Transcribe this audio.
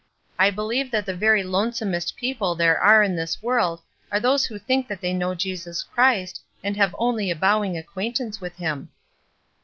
I believe that the very lone somest people there are in this world are those who think that they know Jesus Christ, and have only a bowing acquaintance with him."